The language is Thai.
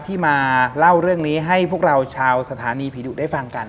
ที่มาเล่าเรื่องนี้ให้พวกเราชาวสถานีผีดุได้ฟังกัน